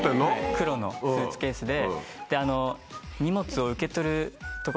黒のスーツケースで。